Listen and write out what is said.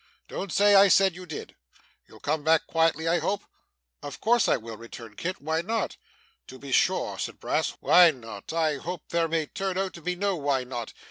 Don't say I said you did. You'll come back quietly, I hope?' 'Of course I will,' returned Kit. 'Why not?' 'To be sure!' said Brass. 'Why not? I hope there may turn out to be no why not.